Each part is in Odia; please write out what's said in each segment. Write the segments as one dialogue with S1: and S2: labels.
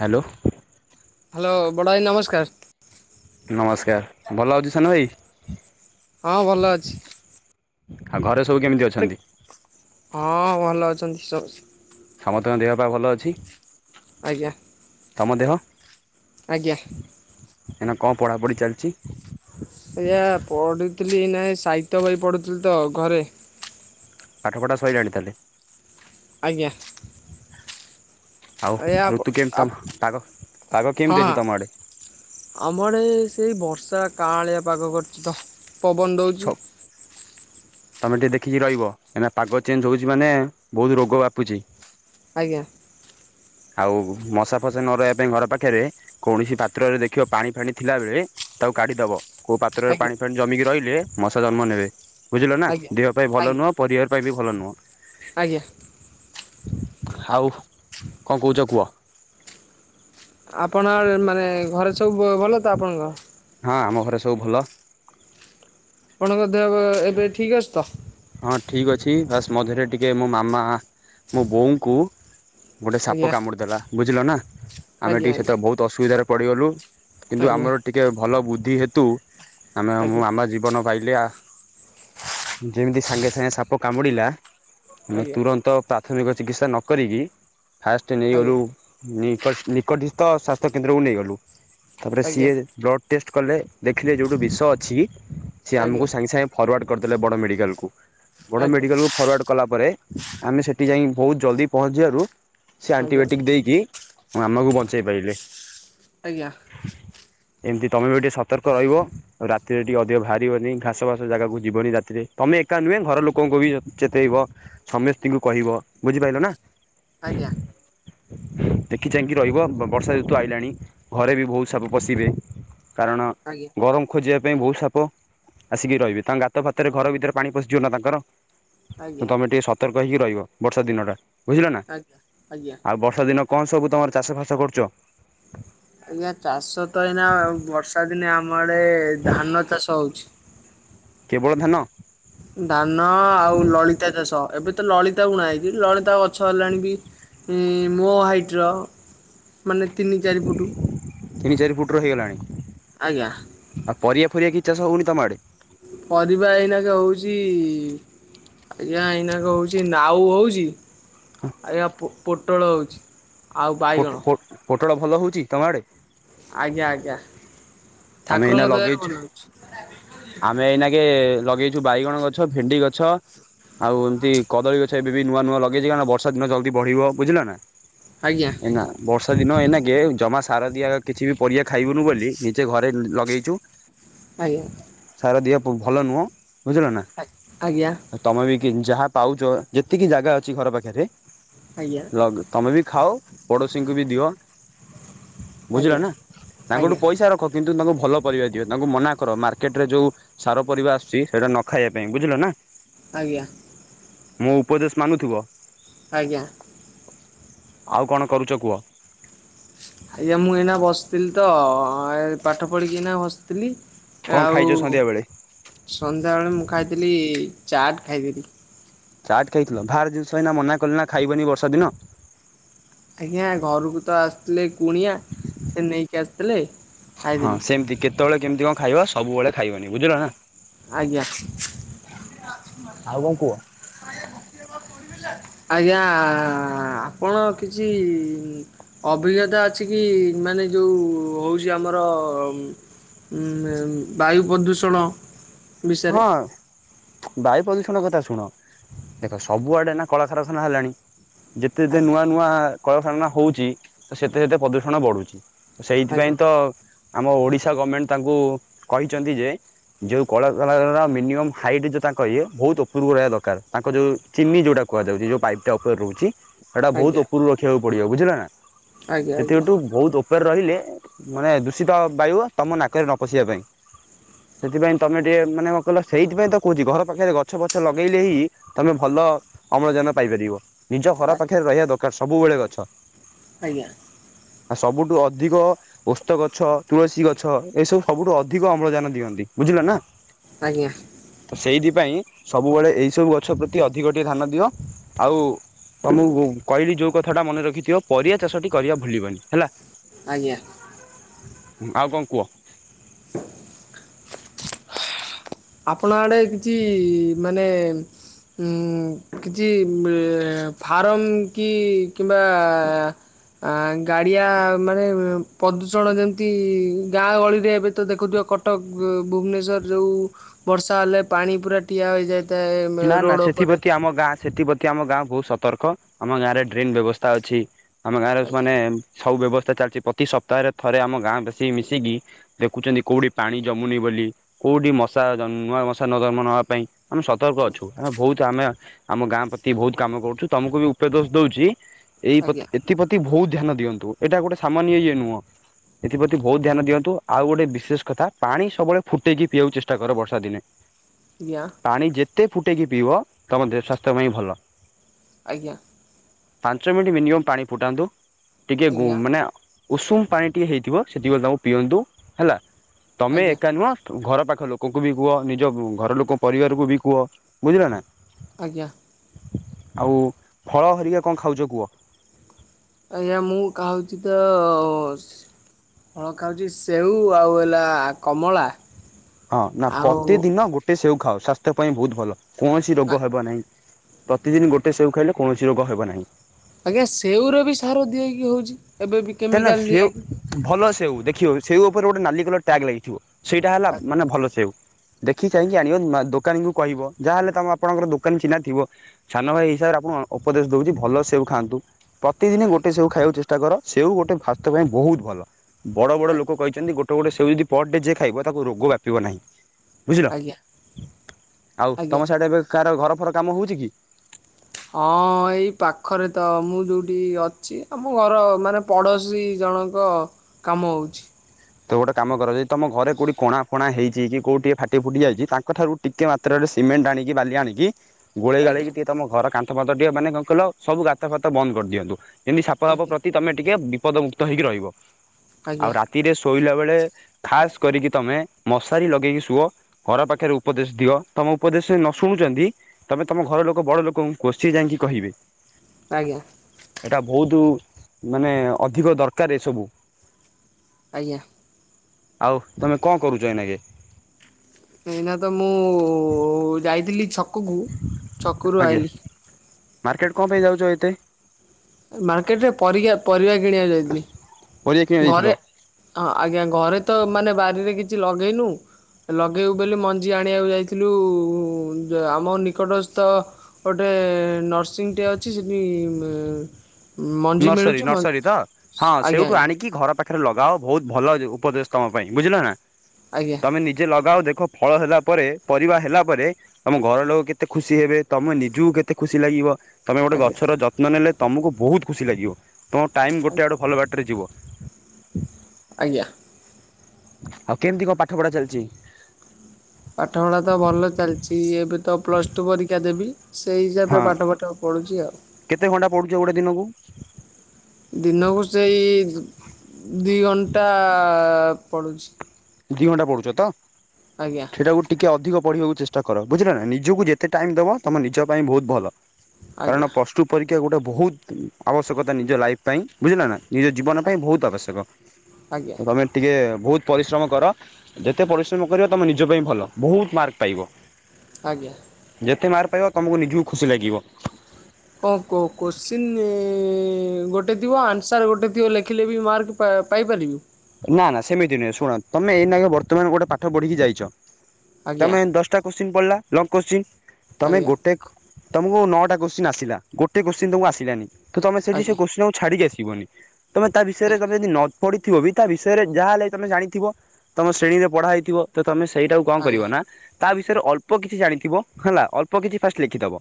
S1: ହ୍ୟାଲୋ।
S2: ହ୍ୟାଲୋ, ବଡ଼ ଆଇ ନମସ୍କାର!
S1: ନମସ୍କାର। ଭଲ ଅଛୁ ସାନ ଭାଇ?
S2: ହଁ, ଭଲ ଅଛି।
S1: ଆଉ, ଘରେ ସବୁ କେମିତି ଅ
S2: [unintelligible] ହଁ, ଭଲ ଅଛନ୍ତି ସବ୍ସ।
S1: ସମତଙ୍କ ଦେହ ପାହ ଭଲ ଅଛି?
S2: ଆଜ୍ଞା।
S1: ତମ ଦେହ?
S2: ଆଜ୍ଞା।
S1: ଏଇନା କଣ ପଢ଼ାପଢ଼ି ଚାଲିଚି?
S2: ଏଆ ପଢ଼ୁଥିଲି ନାଇଁ ସାଇତ୍ୟ ବହି ପଡ଼ୁଥିଲି ତ ଘରେ।
S1: ପାଠ ପଢ଼ା ସଇଲାଣି ତାହେଲେ?
S2: ଆଜ୍ଞା।
S1: ଆଉ
S2: ଆଜ୍ଞା ହଁ
S1: ଋତୁ କେମ ତମ ପାଗ ପାଗ କେମିତି ଅଛି ତମ ଆଡ଼େ?
S2: ଆମର ସେଇ ବର୍ଷା କାଁଳିଆ ପାଗ କରିଚି ତ ପବନ
S1: ଛ
S2: ଦଉଚି।
S1: ତମେ ଟିକିଏ ଦେଖିକି ରହିବ ଏନା ପାଗ ଚେଞ୍ଜ ହଉଛି ମାନେ ବହୁତ ରୋଗ ବାପୁଛି।
S2: ଆଜ୍ଞା।
S1: ଆଉ ମଶା ଫସା ନ ରହିବା ପାଇଁ ଘର ପାଖରେ କୌଣସି ପାତ୍ରରେ ଦେଖିବ ପାଣି ଫାଣି ଥିଲାବେଳେ ତାକୁ କାଡ଼ିଦବ। କୋଉ ପାତ୍ରରେ
S2: ଆଜ୍ଞା
S1: ପାଣି ଫାଣି ଜମିକି ରହିଲେ ମଶା ଜନ୍ମ ନେବେ ବୁଝିଲ ନା
S2: ଆଜ୍ଞା।
S1: ଦେହ ପାଇଁ ଭଲ
S2: ଆଜ୍ଞା
S1: ନୁଅଁ। ପରିବାର ପାଇଁ ବି ଭଲ ନୁହଁ।
S2: ଆଜ୍ଞା।
S1: ଆଉ କଣ କୋହୁଚ କୁହ?
S2: ଆପଣ ଆ ମାନେ ଘରେ ସବୁ ବ ଭଲ ତ ଆପଣଙ୍କ?
S1: ହଁ ଆମ ଘରେ ସବୁ ଭଲ।
S2: ପଣଙ୍କ ଦେଅ ଏବେ ଠିକ ଅଛି ତ?
S1: ହଁ ଠିକ୍ ଅଛି ବାସ୍ ମଝିରେ ଟିକେ ମୋ ମାମା ମୋ ବୋଉଙ୍କୁ ଗୋଟେ ସାପ
S2: ଆଜ୍ଞା
S1: କାମୁଡ଼ିଦେଲା ବୁଝିଲ ନା ଆମେ
S2: ଆଜ୍ଞା ଆଜ୍ଞା
S1: ଟିକେ ସେତେବେଳେ ବୋହୁତ ଅସୁବିଧାରେ ପଡ଼ିଗଲୁ। କିନ୍ତୁ
S2: ଆଜ୍ଞା
S1: ଆମର ଟିକେ ଭଲ ବୁଦ୍ଧି ହେତୁ ଆମେ
S2: ଆଜ୍ଞା ଆଜ୍ଞା
S1: ମୁଁ ମାମା ଜୀବନ ପାଇଲେ ଆ। ଯେମିତି ସାଙ୍ଗେ ସାଙ୍ଗେ ସାପ କାମୁଡ଼ିଲା ଆମେ
S2: ଆଜ୍ଞା
S1: ତୁରନ୍ତ ପ୍ରାଥମିକ ଚିକିତ୍ସା ନ କରିକି ଫାଷ୍ଟ
S2: ଆଜ୍ଞା
S1: ନେଇଗଲୁ ନିକସ ନିକଟିସ୍ଥ ସ୍ୱାସ୍ଥ୍ୟ କେନ୍ଦ୍ରକୁ ନେଇଗଲୁ ତାପରେ
S2: ଆଜ୍ଞା
S1: ସିଏ ବ୍ଲଡ଼ ଟେଷ୍ଟ କଲେ ଦେଖିଲେ ଯୋଉଠୁ ବିଷ ଅଛି ସିଏ ଆମକୁ ସାଙ୍ଗେ ସାଙ୍ଗେ ଫରୱାର୍ଡ଼ କରିଦେଲେ ବଡ଼ ମେଡ଼ି କୁ ବଡ଼
S2: ଆଜ୍ଞା
S1: ମେଡ଼ିକାଲକୁୁ ଫରୱାର୍ଡ଼ କଲା ପରେ ଆମେ ସେଠି ଯାଇ ବହୁତ ଜଲ୍ଦି ପହଞ୍ଚିବାରୁ ସେ
S2: ଆଜ୍ଞା
S1: ଆଣ୍ଟିବାୟୋଟିକ୍ ଦେଇକି ମାମାକୁ ବଞ୍ଚେଇ ପାଇଲେ।
S2: ଆଜ୍ଞା।
S1: ଏମିତି ତମେ ବି ଟିକେ ସତର୍କ ରହିବ। ଆଉ ରାତିରେ ଟିକେ ଅଧିକ ବାହାରିବନି ଘାସ ଫାସ ଜାଗାକୁ ଯିବନି ରାତିରେ। ତମେ ଏକା ନୁହେଁ ଘର ଲୋକଙ୍କୁ ବି ଚେତେଇବ ସମସ୍ତିଙ୍କୁ କହିବ, ବୁଝିପାଇଲ ନା?
S2: ଆଜ୍ଞା।
S1: [inaudible] ଦେଖି ଚାହିଁକି ରହିବ ବର୍ଷା ଋତୁ ଆଇଲାଣି ଘରେ ବି ବୋହୁତ ସାପ ପଶିବେ କାରଣ
S2: ଆଜ୍ଞା।
S1: ଗରମ ଖୋଜିବା ପାଇଁ ବୋହୁତ ସାପ ଆସିକି ରହିବେ ତାଙ୍କ ଗାତ ଫାତରେ ଘର ଭିତରେ ପାଣି ପଶିଯିବ ନା ତାଙ୍କର
S2: ଆଜ୍ଞା
S1: ତ ତମେ ଟିକେ ସତର୍କ ହେଇକି ରହିବ ବର୍ଷା ଦିନଟା। ବୁଝିଲ ନା
S2: ଆଜ୍ଞା ଆଜ୍ଞା
S1: ଆଉ ବର୍ଷା ଦିନ କଣ ସବୁ ତମର ଚାଷ ଫାସ କରୁଚ?
S2: ଆଜ୍ଞା ଚାଷ ତ ଏଇନା ବର୍ଷା ଦିନେ ଆମ ଆଡ଼େ ଧାନ ଚାଷ ହୋଉଚି।
S1: କେବଳ ଧାନ।
S2: ଧାନ ଆଉ ଲଳିତା ଚାଷ ଏବେ ତ ଲଳିତା ବୁଣା ହେଇଛି ଲଳିତା ଗଛ ହେଲାଣି ବି ମୋ ହାଇଟ୍ ର। ମାନେ ତିନି ଚାରି ଫୁଟ
S1: ତିନି ଚାରି ଫୁଟ୍ର ହେଇଗଲାଣି।
S2: ଆଜ୍ଞା।
S1: ଆଉ ପରିବା ଫରିବା କିଚାଷ ହଉନି ତମ ଆଡ଼େ?
S2: ପରିବା ଏଇନାକେ ହଉଚି ଆଜ୍ଞା ଏଇନାକେ ହଉଚି ନାଉ ହଉଚି ଆଜ୍ଞା ପ ପୋଟଳ ହଉଚି।
S1: ପଟ ପଟ ପୋଟଳ ଭଲ ହଉଚି ତମ ଆଡ଼େ?
S2: ଆଜ୍ଞା ଆଜ୍ଞା
S1: ଆମେ ଏଇନା
S2: ଠାକୁରଙ୍କ ଦୟାରୁ
S1: ଲଗେଇଛୁ
S2: ଭଲ ହଉଚି।
S1: ଆମେ ଏଇନାଗେ ଲଗେଇଚୁ ବାଇଗଣ ଗଛ ଭେଣ୍ଡି ଗଛ ଆଉ ଏମିତି କଦଳୀ ଗଛ ଏବେବି ନୂଆ ନୂଆ ଲଗେଇଚି କାରଣ ବର୍ଷା ଦିନ ଜଲ୍ଦି ବଢିବ ବୁଝିଲନା।
S2: ଆଜ୍ଞା
S1: ଏନା ବର୍ଷା ଦିନ ଏନାକେ ଜମା ସାର ଦିଆ କିଛିବି ପରିବା ଖାଇବୁନୁ ବୋଲି ନିଜେ ଘରେ ଲଗେଇଚୁ [inaudible]
S2: ଆଜ୍ଞା।
S1: ସାର ଦିଆ ଭଲ ନୁହଁ ବୁଝିଲନା।
S2: ଆଜ୍ଞା।
S1: ଆ ତମେବି ଯାହା ପାଉଚ ଯେତିକି ଜାଗା ଅଛି ଘର ପାଖରେ
S2: ଆଜ୍ଞା।
S1: ଲଗ ତମେବି ଖାଅ ପଡ଼ଶୀଙ୍କୁବି ଦିଅ
S2: ଆଜ୍ଞା
S1: ବୁଝିଲନା ତାଙ୍କଠୁ
S2: ଆଜ୍ଞା
S1: ପଇସା ରଖ କିନ୍ତୁ ତାଙ୍କୁ ଭଲ ପରିବା ଦିଅ ତାଙ୍କୁ ମନା କର ମାର୍କ ମାର୍କେଟରେ ଯୋଉ ସାର ପରିବା ଆସୁଚି ସେଇଟା ନଖାଇବା ପାଇଁ ବୁଝିଲନା।
S2: ଆଜ୍ଞା।
S1: ମୋ ଉପଦେଶ ମାନୁଥିବ?
S2: ଆଜ୍ଞା।
S1: ଆଉ କଣ କରୁଚ କୁଅ?
S2: ଆଜ୍ଞା ମୁଁ ଏଇନା ବସିଥିଲିତ ଏପାଠ ପଢ଼ିକି ଏଇନା ବସିଥିଲି
S1: କଣ
S2: ଆଉ
S1: ଖାଇଛ ସନ୍ଧ୍ୟା ବେଳେ?
S2: ସନ୍ଧ୍ୟାବେଳେ ମୁଁ ଖାଇଥିଲି ଚାଟ୍ ଖାଇଥିଲି।
S1: ଚାଟ୍ ଖାଇଥିଲ ଭାର ଜିନିଷ ହେଇନା ମନା କଲିନା ଖାଇବନି ବର୍ଷା ଦିନ।
S2: ଆଜ୍ଞା ଘରକୁତ ଆସିଥିଲେ କୁଣିଆ ସେନେଇକି ଆସି
S1: ହଁ ସେମିତି କେତେବେଳେ କେମିତି କଣ ଖାଇବ ସବୁବେଳେ ଖାଇବନି ବୁଝିଲନା।
S2: ଆଜ୍ଞା। ଆଜ୍ଞା ଆପଣ କିଛି ଅଭିଜ୍ଞତା ଅଛିକି ମାନେ ଯୋଉ ହଉଚି ଆମର ଉମ୍ ବାୟୁ ପ୍ରଦୂଷଣ ବିଷୟରେ
S1: ହଁ। ବାୟୁ ପ୍ରଦୂଷଣ କଥା ଶୁଣ ଦେଖ ସବୁଆଡ଼େ ଏନା କଳାକାରଖାନା ହେଲାଣି ଯେତେ ଯେତେ
S2: ଆଜ୍ଞା
S1: ନୂଆ ନୂଆ କଳକାରଖାନା ହଉଚି ତସେତେ ସେତେ ପ୍ରଦୂଷଣ ବଢ଼ୁଚି
S2: ଆଜ୍ଞା
S1: ସେଇଥିପାଇଁତ ଆମ ଓଡ଼ିଶା ଗଭର୍ଣମେଣ୍ଟ ତାଙ୍କୁ କହିଚନ୍ତିଯେ ଯୋଉ କଳ ମିନିମମ୍ ହାଇଟ୍ ଯଉ ତାଙ୍କ ଇଏ ବହୁତ୍ ଉପରକୁ ରହିବା ଦରକାର୍ ତାଙ୍କ ଯୋଉ ଚିନି ଯୋଉଟା କୁହାଯାଉଛି ଯୋଉ ପାଇପଟା ଉପରେ ରହୁଚି ହେଟା ବହୁତ୍
S2: ଆଜ୍ଞା।
S1: ଉପରକୁ ରଖିବାକୁ ପଡ଼ିବ ବୁଝିଲନା
S2: ଆଜ୍ଞା ଆଜ୍ଞା
S1: ସେଥିଠୁ ବହୁତ୍ ଉ ଉପରେ ରହିଲେ ମାନେ ଦୂଷିତ ବାୟୁ ତମ ନାକରେ ନପଶିବା ପାଇଁ ସେଥିପାଇଁ ତମେ ମାନେ କଁ କହିଲ ସେଇଥିପାଇଁତ କହୁଚି ଘର ପାଖରେ ଗଛ ଫଛ ଲଗେଇଲେହିଁ ତମେ ଭଲ ଅମ୍ଳଜାନ ପାଇପାରିବ ନିଜ ଘର
S2: ଆ
S1: ପାଖରେ ରହିବା ଦରକାର୍ ସବୁବେଳେ ଗଛ।
S2: ଆଜ୍ଞା।
S1: ଆ ସବୁଠୁ ଅଧିକ ଓସ୍ତ ଗଛ ତୁଳସୀ ଗ ଛ ଏସବୁ ସବୁଠୁ ଅଧିକ ଅମ୍ଳଜାନ ଦିଅନ୍ତି ବୁଝିଲ ନା।
S2: ଆଜ୍ଞା।
S1: ତ ସେଇଥିପାଇଁ ସବୁବେଳେ ଏଇ ସବୁ ଗଛ ପ୍ରତି ଅଧିକ ଟିକେ ଧ୍ୟାନ ଦିଅ ଆଉ ତମକୁ କହିଲି ଯୋଉ କଥା ଟା ମନେ ରଖିଥିବ ପରିବା ଚାଷଟି କରିବା ଭୁଲିବନି ହେଲା।
S2: ଆଜ୍ଞା।
S1: ଆଉ କଣ କୁଅ।
S2: ଆପଣ ଆଡ଼େ କିଛି ମାନେ ଉଁ କିଛି ଫାର୍ମ କି କିମ୍ବା ଆ ଗାଡ଼ିଆ ମାନେ ପ୍ରଦୂଷଣ ଯେମିତି ଗାଁ ଗହଳିରେ ଏବେ ତ ଦେଖୁଥିବ କ କଟକ, ଭୁବନେଶ୍ୱର ଯୋଉଁ ବର୍ଷା ହେଲେ ପାଣି ପୁରା ଠିଆ ହୋଇଯାଏ।
S1: ନାଁ ନାଁ ସେଥିପ୍ରତି ଆମ ଗାଁ ସେଥିପ୍ର କି ଆମ ଗାଁ ବହୁତ୍ ସତର୍କ, ଆମ ଗାଁ ରେ ଡ୍ରେନ ବ୍ୟବସ୍ଥା ଅଛି ଆମ ଗାଁରେ
S2: ଆଜ୍ଞା
S1: ମାନେ ସବୁ ବ୍ୟବସ୍ଥା ଚାଲିଚି ପ୍ରତି ସପ୍ତାହରେ ଥରେ ଆମ ଗାଁ ବାସୀ ମିଶିକି ଦେଖୁଯନ୍ତି କୋଉଠି ପାଣି ଜମୁନି ବୋଲି କୋଉଠି ମଶା ଜନ୍ମ ନୂଆ ମଶା ଜନ୍ମ ନବା ପାଇଁ ଆମେ ସ ସତର୍କ ଅଛୁ ଆଁ ବହୁତ୍ ଆମେ ଆ ଆମ ଗାଁ ପ୍ରତି ବହୁତ୍ କାମ କରୁଚୁ ତମକୁ ବି ଉପଦେଶ ଦଉଚି ଏଇ ପ୍ରତି
S2: ଆଜ୍ଞା ଆଜ୍ଞା
S1: ଏଥି ପ୍ରତି ବହୁତ୍ ଧ୍ୟାନ ଦିଅନ୍ତୁ ଏଇଟା ଗୋଟେ ସାମାନ୍ୟ ଇଏ ନୁଅଁ। ଏଥିପ୍ରତି ବହୁତ୍ ଧ୍ୟାନ ଦିଅନ୍ତୁ, ଆଉ ଗୋଟେ ବିଶେଷ କଥା ପାଣି ସବୁବେଳେ ଫୁଟେଇକି ପିଇବାକୁ ଚେଷ୍ଟା କର ବର୍ଷା ଦିନେ। [unintelligible]
S2: ଇଆଁ।
S1: ପାଣି ଯେତେ ଫୁଟେଇକି ପିଇବ ତମ ଦେ ସ୍ୱାସ୍ଥ୍ୟ ପାଇଁ ଭଲ।
S2: ଆଜ୍ଞା।
S1: ପାଞ୍ଚ ମିନିଟ୍ ମିନିମମ୍ ପାଣି ଫୁଟାନ୍ତୁ ଟିକେ ଗୁ
S2: ଆଜ୍ଞା
S1: ମାନେ ଉଷୁମ୍ ପାଣି ଟିକେ ହେଇଥିବ ସେତିକିବେଳେ ତାଙ୍କୁ ପିଅନ୍ତୁ ହେଲା ତମେ
S2: ଆଜ୍ଞା
S1: ଏକା ନୁହଁ ଘର ପାଖ ଲୋକଙ୍କୁ ବି କୁହ ନିଜ ଘର ଲୋକ ପରିବାରକୁ ବି କୁହ ବୁଝିଲ ନା।
S2: ଆଜ୍ଞା।
S1: ଆଉ ଫଳ ହେରିକା କଣ ଖାଉଚ କୁଅ?
S2: ଆଜ୍ଞା ମୁଁ ଖାଉଚି ତ [unintelligible] ଫଳ ଖାଉଚି ସେଉ ଆଉ ହେଲା କମଳା।
S1: ହଁ ନା
S2: ଆଉ
S1: ପ୍ରତିଦିନ ଗୋଟେ ସେଉ ଖାଅ ସ୍ଵାସ୍ଥ୍ୟ ପାଇଁ ବହୁତ୍ ଭଲ କୌଣସି ରୋଗ
S2: ଆ-
S1: ହେବ ନାହିଁ। ପ୍ରତିଦିନି ଗୋଟେ ସେଉ ଖାଇଲେ କୌଣସି ରୋଗ ହେବ ନାହିଁ।
S2: ଆଜ୍ଞା ସେଉର ବି ସାର ଦିଆ ହେଇକି ହୋଉଛି ଏବେ ବି।
S1: ତା ନାଁ
S2: କେମିକାଲ
S1: ସେଉ
S2: ଦିଆହେଇକି
S1: ଭଲ ସେଉ ଦେ ସେଓ ସେଉ ଉପରେ ଗୋଟେ ନାଲି କଲର ଟ୍ୟାଗ୍ ଲାଗିଥିବ ସେଇଟା ହେଲା ମାନେ ଭଲ ସେଉ। ଦେଖି ଚାହିଁକି ଆଣିବ ମା ଦୋକାନୀ କୁ କହିବ ଯାହାହେଲେ ତମ ଆପଣଙ୍କର ଦୋକାନୀ ଚିହ୍ନା ଥିବ। ସାନ ଭାଇ ହିସାବରେ ଆପଣ ଉପଦେଶ ଦଉଚି ଭଲ ସେଉ ଖାଆନ୍ତୁ। ପ୍ରତିଦିନି
S2: ଆଜ୍ଞା
S1: ଗୋଟେ ସେଉ ଖାଇବାକୁ ଚେଷ୍ଟା କର ସେଉ ଗୋଟେ ସ୍ଵାସ୍ଥ୍ୟ ପାଇଁ ବହୁତ୍ ଭଲ। ବଡ ବଡ
S2: ଆଜ୍ଞା
S1: ଲୋକ କହିଚନ୍ତି ଗୋଟେ ଗୋଟେ ସେଉ ଯଦି ପଟଡେ ଯେ ଖାଇବ ତାକୁ ରୋଗ ବ୍ୟାପିବ ନାହିଁ। ବୁଝିଲ
S2: ଆଜ୍ଞା
S1: ଆଉ ତମ
S2: ଆଜ୍ଞା
S1: ସେଆଡ଼େ ଏବେ କାହାର ଘର ଫର କାମ ହେଉଚି କି?
S2: ହଁ ଏଇ ପାଖରେ ତ ମୁଁ ଯୋଉଠି ଅଛି ଆମ ଘର ମାନେ ପଡ଼ୋଶୀ ଜଣଙ୍କ କାମ ହୋଉଚି।
S1: ତ ଗୋଟେ କାମ କର ଯେ ତମ ଘରେ କୋଉଠି କଣା ଫଣା ହୋଇଚି କି କୋଉଠି ଟିକେ ଫାଟି ଫୁଟି ଯାଇଚି ତାଙ୍କଠାରୁ ଟିକିଏ ମାତ୍ରାରେ ସିମେଣ୍ଟ ଆଣିକି ବାଲି ଆଣିକି ଗୋଳେଇ
S2: ଆଜ୍ଞା
S1: ଗାଳିକି ଟିକେ ତମ ଘର କାନ୍ଥ ଫାତ ଟିକେ ମାନେ କଣ କଇଲ ସବୁ ଗାତ ଫାତ ବନ୍ଦ କରିଦିଅନ୍ତୁ। ଏମିତି ସାପ ଫାପ
S2: ଆଜ୍ଞା
S1: ପ୍ରତି ତମେ ଟିକେ ବିପଦ ମୁୁକ୍ତ ହେଇକି ରହିବ
S2: ଆଜ୍ଞା
S1: ଆଉ ରାତିରେ ଶୋଇଲା ବେଳେ ଖାସ୍ କରିକି ତମେ ମଶାରୀ ଲଗେଇକି ଶୁଅ। ଘର ପାଖରେ ଉପଦେଶ ଦିଅ ତମ ଉପଦେଶ ନ ଶୁଣୁଛନ୍ତି। ତମେ ତମ ଘର ଲୋକ ବଡ ଲୋକଙ୍କୁ କୁହ ସିଏ ଯାଇକି କହିବେ।
S2: ଆଜ୍ଞା।
S1: ଏଇଟା ବହୁତ ମାନେ ଅଧିକ ଦରକାର ଏସବୁ।
S2: ଆଜ୍ଞା।
S1: ଆଉ ତମେ କଣ କରୁଚ ଏଇନାଗେ?
S2: ଏଇଁନା ତ ମୁଁ ଯାଇଥିଲି ଛକକୁ ଛକରୁ
S1: ଆଜ୍ଞା
S2: ଆଇିଲି।
S1: ମାର୍କେଟ କଣ ପାଇଁ ଯାଉଛ ଏତେ?
S2: ମାର୍କେଟରେ ପରିଆ ପରିବା କିଣିବାକୁ
S1: ପରିବା କିଣା
S2: ଯାଇଥିଲି।
S1: ଯାଇଥିଲ?
S2: ଘରେ ହଁ ଆଜ୍ଞା ଘରେ ତ ମାନେ ବାରିରେ କିଛି ଲଗେଇନୁ। ଲଗେଇବୁ ବୋଲି ମଞ୍ଜି ଆଣିବାକୁ ଯାଇଥିଲୁ ଆମ ନିକଟସ୍ଥ ଗୋଟେ ନର୍ସିଂଟେ ଅଛି ସେଠି ମେ
S1: ନର୍ସରୀ ନର୍ସରୀ ତ ହଁ
S2: ଆଜ୍ଞା
S1: ସେଇଠୁ
S2: ଆଜ୍ଞା
S1: ଆଣିକି ଘର ପା ପାରେ ଲଗାଅ ବହୁତ ଭଲ ଉପଦେଶ ତମ ପାଇଁ ବୁଝିଲ ନା।
S2: ଆଜ୍ଞା।
S1: ତମେ ନିଜେ ଲଗାଅ ଦେଖ ଫଳ ହେଲା ପରେ ପରିବା ହେଲା ପରେ ତମ ଘର ଲୋକ କେତେ ଖୁସି ହେବେ ତମେ ନିଜକୁ କେତେ ଖୁସି ଲାଗିବ। ତୁମେ ଗୋଟେ
S2: ଆଜ୍ଞା
S1: ଗଛର ଯତ୍ନ ନେଲେ ତମକୁ ବହୁତ ଖୁସି ଲାଗିବ ତୁମ ଟାଇମ୍ ଗୋଟେ ଆଡ଼େ ଭଲ ବାଟରେ ଯିବ।
S2: ଆଜ୍ଞା।
S1: ଆଉ କେମିତି କଣ ପାଠ ପଢା ଚାଲିଚି?
S2: ପାଠପଢ଼ା ତ ଭଲ ଚାଲିଛି ଏବେ ତ ପ୍ଲସ୍ ଟୁ ପରୀକ୍ଷା ଦେବି। ସେଇ ହିସାବରେ
S1: ହଁ
S2: ପାଠ ଫାଠ ପଢୁଛି ଆଉ।
S1: କେତେ ଘଣ୍ଟା ପଡୁଛ ଗୋଟେ ଦିନକୁ?
S2: ଦିନକୁ ସେଇ ଦି ଘଣ୍ଟା ପଡ଼ୁଛି।
S1: ଦି ଘଣ୍ଟା ପଡୁଛ ତ ସେଟା ଗୋ ଟିକେ ଅଧିକ ପଢିବାକୁ ଚେଷ୍ଟା କର ବୁଝିଲ ନା ନିଜକୁ ଯେତେ ଟାଇମ ଦେବ ତମେ ନିଜ ପାଇଁ ବହୁତ ଭଲ। କାରଣ
S2: ଆଜ୍ଞା
S1: ପ୍ଲସ ଟୁ ପରୀକ୍ଷା ଗୋଟେ ବହୁତ ଆବଶ୍ୟକତା ନିଜ ଲାଇଫ ପାଇଁ ବୁଝିଲ ନା ନିଜ ଜୀବନ ପାଇଁ ବହୁତ ଆବଶ୍ୟକ
S2: ଆଜ୍ଞା
S1: ତମେ ଟିକେ ବହୁତ ପରିଶ୍ରମ କର ଯେତେ ପରିଶ୍ରମ କରିବ ତମ ନିଜ ପାଇଁ ଭଲ ବହୁତ ମାର୍କ ପାଇବ।
S2: ଆଜ୍ଞା।
S1: ଯେତେ ମାର୍କ ପାଇବ ତମକୁ ନିଜକୁ ଖୁସି ଲାଗିବ।
S2: ହଁ କହୁ କୋଶ୍ଚିନ୍ ଗୋଟେ ଥିବ ଆନ୍ସର୍ ଗୋଟେ ଥିବ ଲେଖିଲେ ବି ମାର୍କ ପାଇ ପାଇପାରିବି?
S1: ନା ନା ସେମିତି ନୁହେଁ ଶୁଣ ତମେ ଏଇ ନାଗେ ବର୍ତ୍ତମାନ ଗୋଟେ ପାଠ ପଢିକି ଯାଇଛ
S2: ଆଜ୍ଞା
S1: ତମେ ଦଶ୍ ଷ୍ଟା କୋଶ୍ଚିନ୍ ପଡିଲା ଲଙ୍ଗ କୋଶ୍ଚିନ୍ ତମେ
S2: ଆଜ୍ଞା
S1: ଗୋଟେ ତମକୁ ନଅଟା କୋଶ୍ଚିନ୍ ଆସିଲା ଗୋଟେ କୋଶ୍ଚିନ୍ ତମକୁ ଆସିଲାନି ତମେ ସେଠି ସେ
S2: ଆଜ୍ଞା
S1: କୋଶ୍ଚିନ୍ ଟାକୁ ଛାଡିକି ଆସିବନି ତମେ ତା ବିଷୟରେ ତମେ ଯଦି ନ ପଢିଥିବ ବି ତା ବିଷୟରେ ଯାହା ହେଲେ ତମେ ଜାଣିଥିବ ତମ ଶ୍ରେଣୀରେ ପଢା ହେଇଥିବ ତ ତମେ ସେଇଟାକୁ କଣ
S2: ଆଜ୍ଞା
S1: କରିବ
S2: ଆଜ୍ଞା
S1: ନା ତା ବିଷୟରେ ଅଳ୍ପ କିଛି ଜାଣିଥିବ ହେଲା ଅଳ୍ପ କିଛି ଫାଷ୍ଟ ଲେଖିଦବ।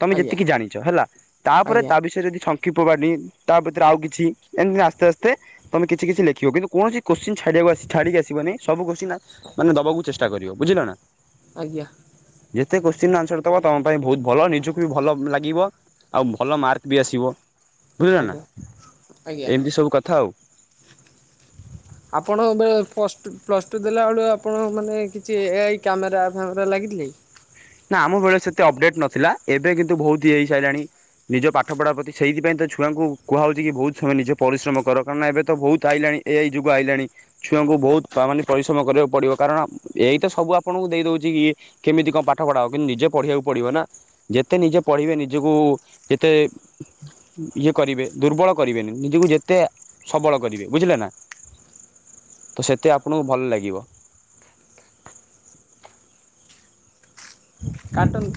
S1: ତମେ
S2: ଆଜ୍ଞା
S1: ଯେତିକି ଜାଣିଚ ହେଲା ତାପରେ
S2: ଆଜ୍ଞା
S1: ତା ବିଷୟରେ ଯଦି ଶ୍ କି ପବାଡୀ ତା ଭିତରେ ଆଉ କିଛି ଏମିତି ଆସ୍ତେ ଆସ୍ତେ ତମେ କିଛି କିଛି ଲେଖିବ କିନ୍ତୁ କୌଣସି କୋଶ୍ଚିନ୍ ଛାଡିଆକୁ ଆସ ଛାଡିକି ଆସିବନି ସବୁ କୋଶ୍ଚିନ୍ ମାନେ ଦବାକୁ ଚେଷ୍ଟା କରିବ ବୁଝିଲ ନା।
S2: ଆଜ୍ଞା।
S1: ଯେତେ କୋଶ୍ଚିିନ ଆନ୍ସର ଦବ ତମ ପାଇଁ ବହୁତ ଭଲ ନିଜକୁ ବି ଭଲ ଲାଗିବ। ଆଉ ଭଲ ମାର୍କ ବି ଆସିବ ବୁଝିଲ ନା
S2: ଆଜ୍ଞା ଆଜ୍ଞା।
S1: ଏମିତି ସବୁ କଥା ଆଉ। [unintelligible]
S2: ଆପଣ ଏବେ ପ୍ଲସ୍ ପ୍ଲସ୍ ଟୁ ଦେଲାବେେଳୁ ଆପଣ ମାନେ କିଛି ଏଆଇ କ୍ୟାମେରା ଫ୍ୟାମେରା ଲାଗିଥିଲେ କି?
S1: ନା ଆମ ବେଳେ ସେତେ ଅପଡେଟ ନଥିଲା ଏବେ କିନ୍ତୁ ବହୁତ ହେଇ ସାଇଲାଣି। ନିଜ ପାଠପଢ଼ା ପ୍ରତି ସେଇଥିପାଇଁ ତ ଛୁଆଙ୍କୁ କୁହାହେଉଛି କି ବହୁତ ସମୟ ନିଜେ ପରିଶ୍ରମ କର କାରଣ ଏବେ ତ ବହୁତ ଆଇଲାଣି। ଏ ଆଇ ଯୁଗ ଆଇଲାଣି ଛୁଆଙ୍କୁ ବହୁତ ମାନେ ପରିଶ୍ରମ କରିବାକୁ ପଡିବ କାରଣ ଏଆଇ ତ ସବୁ ଆପଣଙ୍କୁ ଦେଇ ଦଉଛି କି କେମିତି କ ପାଠ ପଢ଼ା କିନ୍ତୁ ନିଜେ ପଢ଼ିବାକୁ ପଡ଼ିବ ନା ଯେତେ ନିଜେ ପଢ଼ିବେ ନିଜକୁ ଯେତେ ଇଏ କରିବେ ଦୁର୍ବଳ କରିବେନି ନିଜକୁ ଯେତେ ସବଳ କରିବେ ବୁଝିଲେ ନା? ତ ସେତେ ଆପଣଙ୍କୁ ଭଲ ଲାଗିବ?
S2: କାଟୁନୁ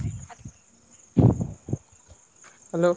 S1: [unintelligible]
S2: ହ୍ୟାଲୋ।